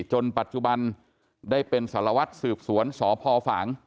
จนปัจจุบันได้เป็นสารวัตรสืบสวนสพฝาง